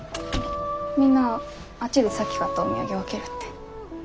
みんなあっちでさっき買ったお土産分けるって。